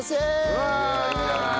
うわっいいんじゃない。